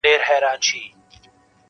o حافظه يې له ذهن نه نه وځي,